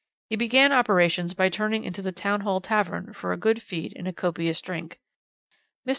He began operations by turning into the Town Hall Tavern for a good feed and a copious drink. Mr.